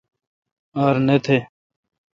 ار نہ تھ۔